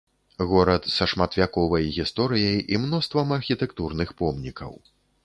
Горад са шматвяковай гісторыяй і мноствам архітэктурных помнікаў.